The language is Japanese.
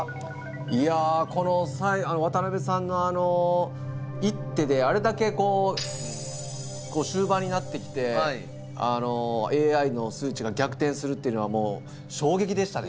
いやこの渡辺さんの一手であれだけ終盤になってきてＡＩの数値が逆転するっていうのはもう衝撃でしたね。